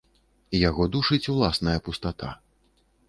Яго душыць уласная пустата.